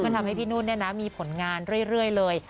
ก็ทำให้พี่นุ่นเนี่ยนะมีผลงานเรื่อยเลย